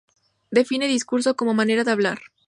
Define "discurso" como "manera de hablar".